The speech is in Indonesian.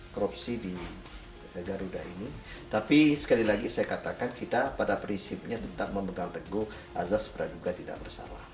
korupsi di garuda ini tapi sekali lagi saya katakan kita pada prinsipnya tetap memegang teguh azas praduga tidak bersalah